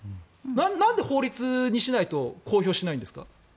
なんで法律にしないと公表しないんですか。